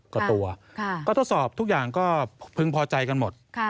ก็ทดสอบทุกอย่างก็พึ่งพอใจกันหมด